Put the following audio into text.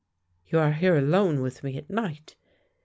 " You are here alone with me at night!